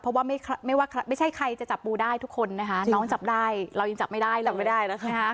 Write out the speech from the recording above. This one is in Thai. เพราะว่าไม่ใช่ใครจะจับปูได้ทุกคนนะคะน้องจับได้เรายังจับไม่ได้เราไม่ได้นะคะ